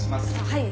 はい。